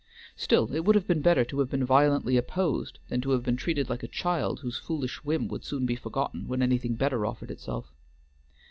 Still it would have been better to have been violently opposed than to have been treated like a child whose foolish whim would soon be forgotten when anything better offered itself.